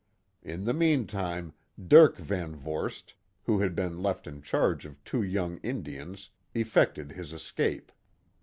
In the meantime Dirck Van Vorst, who had been left in charge of two young Indians, effected his escape.